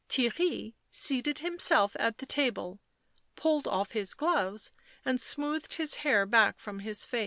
Theirry seated himself at the table, pulled off his gloves and smoothed his hair back from his face.